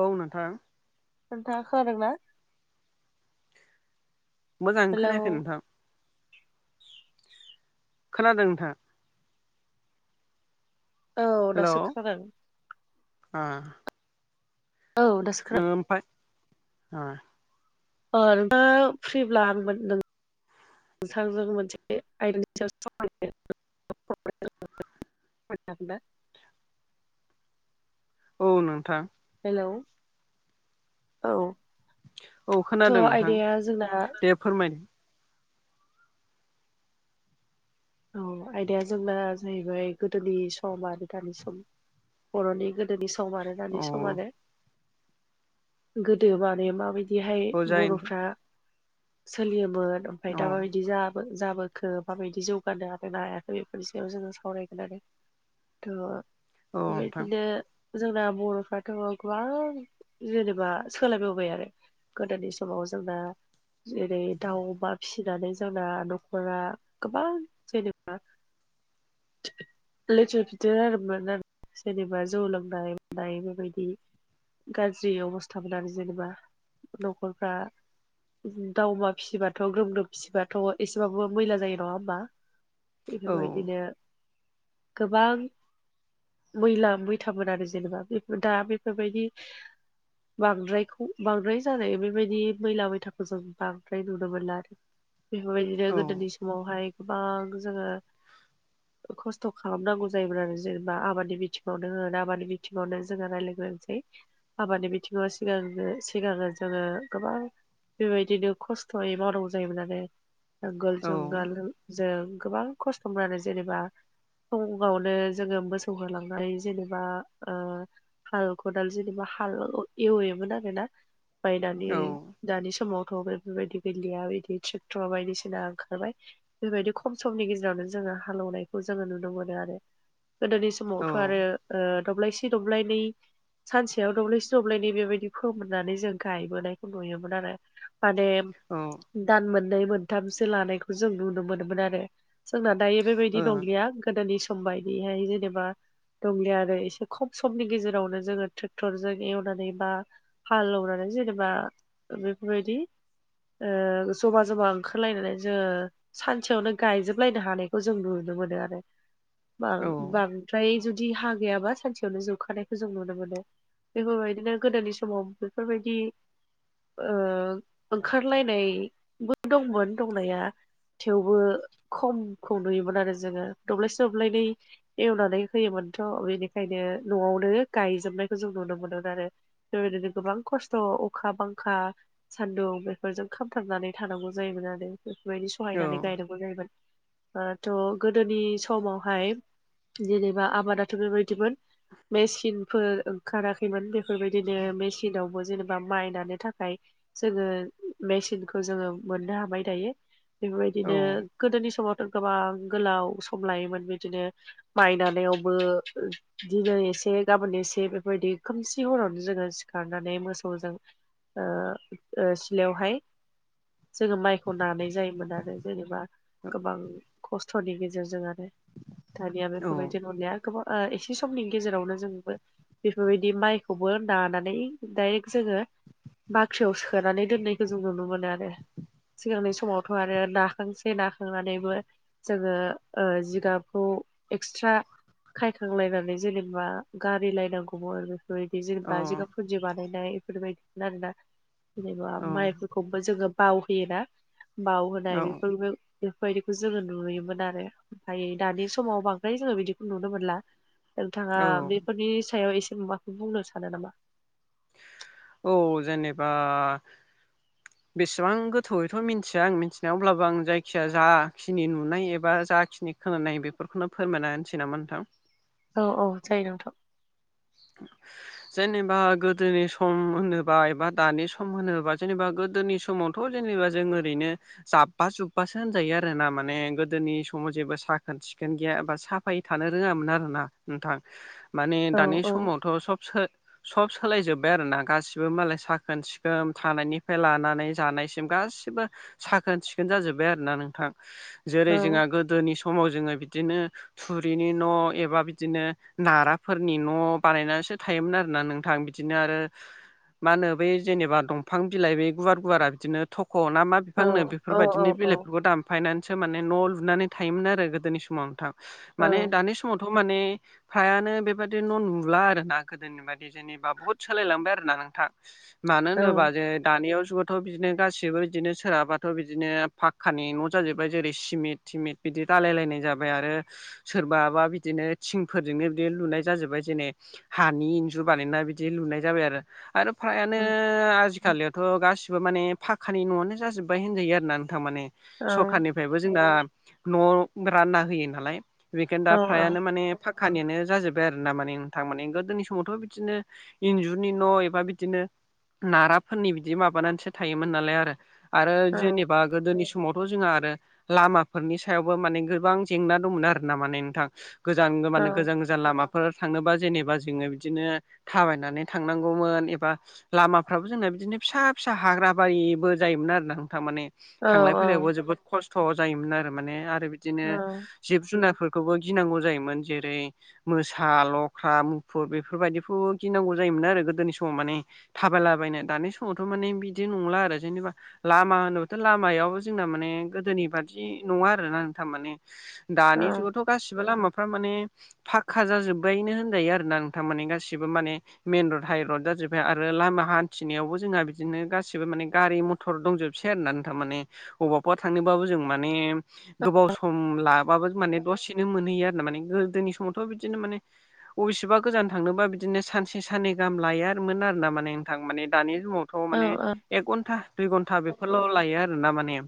औ नोंथां। नोंथाङा खोनादों ना? मोजाङै हेलौ खोनायाखै नोंथां। खोनादों नोंथां? औ दासो खोनादों। ओ। औ दासो खोनादों ओमफाय ओ। [unintelligible] फ्रिब्ला मोन नों नोंथांजों मोनसे आयदानि सायाव [unintelligible] [unintelligible] औ नोंथां। हेलौ औ थ' आयदाया जोंना फोरमायनो औ आयदाया जोंना जाहैबाय गोदोनि सम आरो दानि सम बर'नि गो गोदोनि सम आरो औ दानि सम आरो। गोदो माने माबायदि एहाय औ जायो बर'फ्रा सोलियोमोन ओमफ्राय नोंथां दा माबायदि जा बो जाबोखो माबायदि जौ गानो हादों ना हायाखै बेफोरनि सायाव जोङो सावरायगोन आरो। थ' औ नोंथां बेबादिनो जोंना बर'फ्राथ' गोबां जेनेबा सोलायबोबाय आरो। गोदोनि समाव जोंना जेरै दाउ, अमा फिसिनानै जोंना न'खरा गोबां जेनेबा लेथेर फिथेर आरोमोन आरो सोरनिबा जौ लोंनाय बाय बेबायदि गाज्रि अबस्था मोन आरो जेनेबा न'खरफ्रा। दाव अमा फिसिबाथ' ग्रोम म्रोम फिसिबाथ' एसेबाबो मैला जायो। नङा होमबा? औ बेफोरबायदिनो गोबां। मैला मैथामोन आरो जेनेबा बेफोर दा बेफोरबायदि बांद्रायखौ बांद्राय जानाय बेबायदि मैला मैथाखौ जों बांद्राय नुनो मोनला आरो बेफोरबायदिनो औ गोदोनि समावहाय गोबां जोङो। खस्थ' खालामनांगौ जायोमोन आरो जेनेबा आबादनि बिथिङावनो होन आबादानि बिथिङावनो जोंङो रायज्लायग्रोसै। आबादनि बिथिङाव सिगां सिगाङो जोङो गोबां। बेबायदिनो खस्थ'यै मावनांगौ जायोमोन आरो नांगोल औ जुंगाल जों गोबां खस्थ' मोन आरो जेनेबा। फुङावनो जोङो मोसौ होलांनाय जेनेबा ओ हाल खदाल जेनेबा हाल एवयोमोन आरोना बायनानै। औ दानि समावथ' बेफोरबायदि गैलिया बिदि ट्रेक्टर बायदिसिना ओंखारबाय। बेबायदि खम समनि गेजेरावनो जोङो हालेवनायखौ जोङो नुनो मोनो आरो गोदोनि सम औ समावथ' आरो ओ दब्लायसे दब्लायनै सानसेयाव दब्लेसे दब्लायनै बेबायदि फोमोननानै जों गायबोनायखौ नुयोमोन आरो। माने अ दान मोननै मोनथामसो लानायखौ जों नुनो मोनोमोन आरो। जोंना दायो बेबायदि नंलिया गोदोनि सम बायदिहाय जेनेबा। दंलिया आरो एसे खम समनि गेजेरावनो जोङो ट्रेक्टरजों एवनानै बा। हाल एवनानै जेनेबा बेफोरबायदि। जमा जमा ओंखारलायनानै जोङो। सानसेयावनो गायजोबलायनो हानायखौ जों नुनो मोनो आरो बां-बां फ्राय जुदि हा गैयाबा सानसेयावनो जोबखानायखौ जों नुनो मोनो। बेफोरबायदिनो गोदोनि समाव बेफोरबायदि। ओंखारलायनायबो दंमोन दंनाया। थेवबो खमखौ नुयोमोन आरो जोङो दब्लायसे दब्लायनै एवनानै होयोमोनथ' बेनिखायनो न'आवनो गायजोबनायखौ जों नुनो मोनोमोन आरो। बेबायदिनो गोबां खस्थ' अखा बांखा सान्दुं बेफोरजों खामथाबनानै थानांगौ जायोमोन आरो बेफोरबायदि औ सहायनानै गायनांगौ जायोमोन। ओ थ' गोदोनि समावहाय। जेनेबा आबादाथ' बेबायदिमोन मेचिनफोर। खाराखैमोन बेफोरबायदिनो मेसिनाव जेनेबा माइ नानो थाखाय जोङो मेसिनखौ जोङो मोननो हाबाय दायो। औ बेबायदिनो गोदोनि समावथ' गोबां गोलाव सम लायोमोन बिदिनो माइ नानायावबो दिनै एसे गाबोन एसे बेफोरबायदि खोमसि हरावनो जोङो [unintelligible] खारनानै मोसौजों ओ ओ सिलायावहाय जोङो माइखौ नानाय जायोमोन आरो जेनेबा गोबां खस्थ'नि गेजेरजों आरो दानिया औ बेफोरबायदि नुलिया गोबां ओ एसे समनि गेजेरावनो जोंबो बेफोरबायदि माइखौबो नानानै डायरेक्ट जोङो बाख्रियाव सोनानै दोननायखौ जों नुनो मोनो आरो सिगांनि समावथ' आरो नाखांसै नाखांनानैबो जोङो ओ जिगाबखौ एक्सट्रा खायखांलायनानै जेनेबा गारि लायनांगौमोन आरो बेफोरबायदि जेनेबा जिगाब फोरजि बानायनाय बेफोरबायदिमोन आरोना जेनेबा माइफोरखौ खौबो जोङो बावहोयोना बाव औ होनाय बेफोरबो बेफोरबायदिखौ जोङो नुयोमोन आरो ओमफाय दानि समाव बांद्राय जोङो बिदिखौ नुनो मोनला नोंथाङा औ बेफोरनि सायाव एसे माबाखौ बुंनो सानो नामा? औ जेनेबा [unintelligible] बेसेबां गोथौयैथ' मिनथिया आं मिथिनायाव अब्लाबो आं जायखिया जाखिनि नुनाय एबा जाखिनि खोनानाय बेफोरखौनो फोरमायना होनोसै नामा नोंथां। औ औ जायो नोंथां। [unintelligible] जेनेबा गोदोनि सम होनोबा एबा दानि सम होनोबा जेनेबा गोदोनि समाव थ' जेनेबा जों ओरैनो जाब्बा जुब्बासो होनजायो आरोना माने गोदोनि समाव जेबो साखोन सिखोन गैया साफायै थानो रोङामोन आरोना नोंथां माने औ दानि औ जुग थ' सबसो सब सोलाय जोब्बाय आरोना गासिबो मालाय साखोन सिखोन थानायनिफ्राय लानानै जानाय सिम गासिबो साखोन सिखोन जाजोब्बाय आरोना नोंथां औ जेरै जोंहा गो गोदोनि समाव जोङो बिदिनो थुरिनि न' एबा बिदिनो नाराफोरनि न' बानायनानैसो थायोमोन आरोना नोंथां। बिदिनो आरो मा होनो बै जेनेबा दंफां बिलाइ बे गुवार गुवारा बिदिनो थख' ना मा औ बिफांनो औ बेफोरबायदिनो बिलाइफोरखौ दान फायनानैसो माने न' लुनानै थायोमोन आरो गोदोनि समाव नोंथां। औ माने दानि समाव आवथ' माने फ्रायानो बेबादि न' नुला आरो ना गोदोनि बायदि जेनेबा बहुत सोलायलांबाय आरोना नोंथां। मानो होनोबा जे दानियाव थ' बिदिनो गासिबो बिदिनो सोरहाबाथ' बिदिनो पाक्कानि न' जाजोब्बाय जेरै सिमिट थिमिट। बिदि रायलायलायनाय जाबाय आरो सोरबाबा बिदिनो थिंफोरजोंनो बिदि लुनाय जाजोब्बाय जेने हानि इन्जुर बानायना बिदि लुनाय जाबाय आरो, आरो फ्रायानो औ आजिखालियावथ' गासिबो माने फाखानि न'आनो जाजोब्बाय होनजायो आरोना नोंथां माने। औ सरखारनिफ्रायबो जोंना न' रानना होयो नालाय। बेनिखायनो दा फ्रायानो औ माने पाक्कानियानो जाजोब्बाय आरोना माने ओं। थारमाने गोदोनि समावथ' बिदिनो इन्जुरनि न' एबा बिदिनो नाराफोरनि बिदि माबानानैसो थायोमोन नालाय आरो, आरो जेने बा गोदोनि समावथ' जोंहा आरो लामाफोरनि सायावबो माने गोबां जेंना दंमोन आरोना माने नोंथां। गोजान गो मान गोजान गोजान लामाफोर थांनोबा जेनेबा जोङो बिदिनो थाबायनानै थांनांगौमोन एबा लामाफ्राबो जोंना बिदिनो फिसा फिसा हाग्रा बारिबो जायोमोन आरोना नोंथां माने। थांलाय फैलायावबो जोबोद खस्थ' जायोमोन आरो माने आरो बिदिनो जिब जुनारफोरखौबो गिनांगौ जायोमोन जेरै मोसा, ल ख्रा मुफुर बेफोरबायदिखौ गिनांगौ जायोमोन आरो गोदोनि समाव माने थाबायलाबायनो। दानि समावथ' माने बिदि नंला आरो जेनेबा लामा होनोबाथ' लामायाव जोंना माने गोदोनि बादि नङा आरोना नोंथां माने। दानि औ जुगावथ' गासिबो लामाफ्रा माने फाक्का जाजोब्बायनो होन जायो आरोना नोंथां माने गासिबो माने मेइन रड हाइरड जाजोब्बाय आरो लामा हान्थिनायावबो जोंहा बिदिनो गासिबो माने गारि म टर दंजोबसै आरो ना नोंथां माने बबेयावबा थांनोबाबो जों माने गोबाव सम लाबाबो माने दसेनो मोनहैयो आरो ना माने, गोदोनि समावथ' बिदिनो माने अबेसेबा गोजान थांनोबा बिदिनो सानसे साननै गाहाम लायोनोमोन आरोना माने नोंथां माने दानि समाव थ' औ माने औ एक घन्टा दुइ घन्टा बेफोरल' लायो आरोना माने।